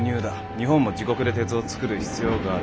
日本も自国で鉄を作る必要がある。